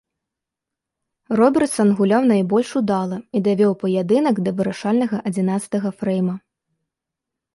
Робертсан гуляў найбольш удала і давёў паядынак да вырашальнага адзінаццатага фрэйма.